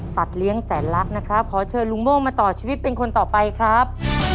เลี้ยงแสนลักษณ์นะครับขอเชิญลุงโม่งมาต่อชีวิตเป็นคนต่อไปครับ